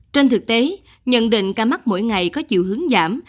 trên thực tế nhận định ca mắc mỗi ngày có chiều hướng giảm